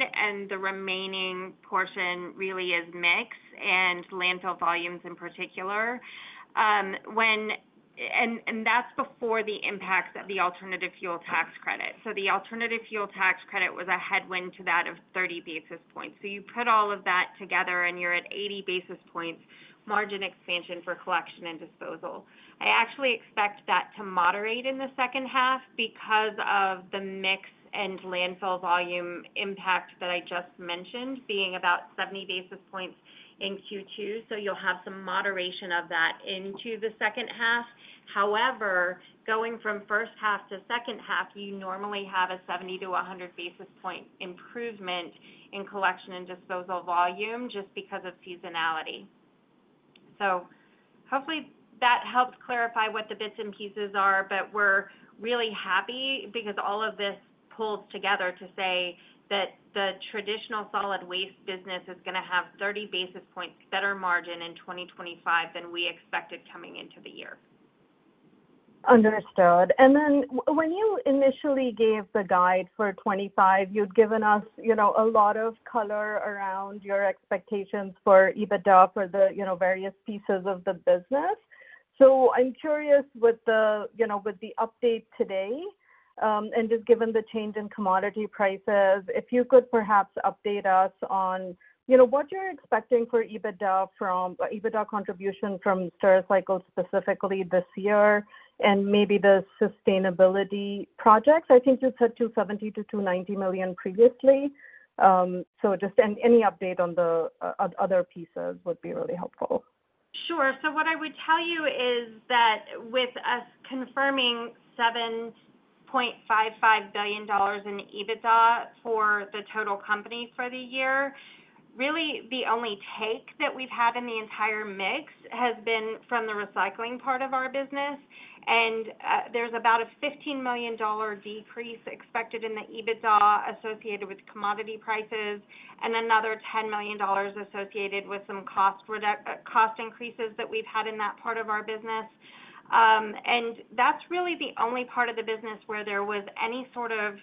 The remaining portion really is mix and landfill volumes in particular. That is before the impacts of the alternative fuel tax credit. The alternative fuel tax credit was a headwind to that of 30 basis points. You put all of that together, and you are at 80 basis points margin expansion for collection and disposal. I actually expect that to moderate in the second half because of the mix and landfill volume impact that I just mentioned being about 70 basis points in Q2. You will have some moderation of that into the second half. However, going from first half to second half, you normally have a 70-100 basis point improvement in collection and disposal volume just because of seasonality. Hopefully that helps clarify what the bits and pieces are, but we are really happy because all of this pulls together to say that the traditional solid waste business is going to have 30 basis points better margin in 2025 than we expected coming into the year. Understood. When you initially gave the guide for 2025, you had given us a lot of color around your expectations for EBITDA for the various pieces of the business. I'm curious with the update today, just given the change in commodity prices, if you could perhaps update us on what you're expecting for EBITDA contribution from Stericycle specifically this year and maybe the sustainability projects. I think you said $270 million-$290 million previously. Any update on the other pieces would be really helpful. Sure. What I would tell you is that with us confirming $7.55 billion in EBITDA for the total company for the year, really the only take that we've had in the entire mix has been from the recycling part of our business. There's about a $15 million decrease expected in the EBITDA associated with commodity prices and another $10 million associated with some cost increases that we've had in that part of our business. That's really the only part of the business where there was any sort of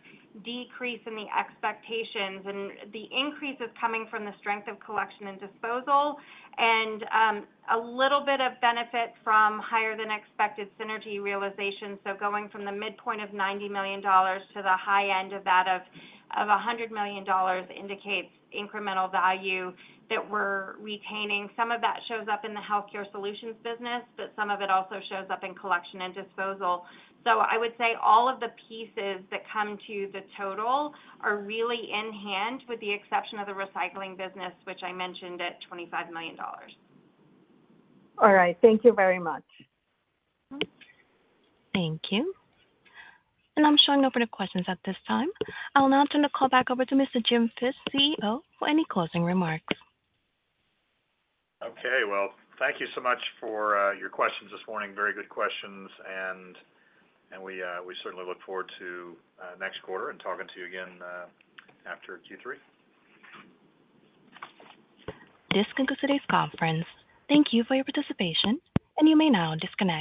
decrease in the expectations. The increase is coming from the strength of collection and disposal and a little bit of benefit from higher-than-expected synergy realization. Going from the midpoint of $90 million to the high end of that of $100 million indicates incremental value that we're retaining. Some of that shows up in the healthcare solutions business, but some of it also shows up in collection and disposal. I would say all of the pieces that come to the total are really in hand with the exception of the recycling business, which I mentioned at $25 million. All right. Thank you very much. Thank you. I'm showing no further questions at this time. I'll now turn the call back over to Mr. Jim Fish, CEO, for any closing remarks. Thank you so much for your questions this morning. Very good questions. We certainly look forward to next quarter and talking to you again after Q3. This concludes today's conference. Thank you for your participation, and you may now disconnect.